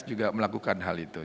juga melakukan hal itu